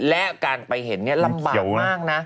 และการไปเห็นลำบากมากนะ